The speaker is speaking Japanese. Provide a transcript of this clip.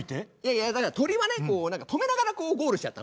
いやだからトリはねこう何か止めながらこうゴールしちゃった。